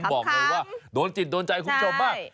บอกเลยว่าโดนจิตโดนใจคุณผู้ชมมาก